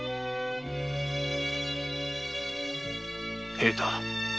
平太！